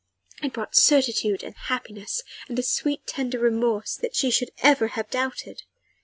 It brought certitude and happiness, and a sweet, tender remorse that she should ever have doubted.